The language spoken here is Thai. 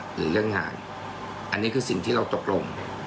หรือเรื่องงานอันนี้คือสิ่งที่เราตกลง